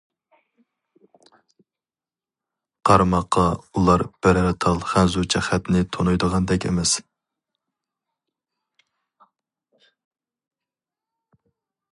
قارىماققا ئۇلار بىرەر تال خەنزۇچە خەتنى تونۇيدىغاندەك ئەمەس.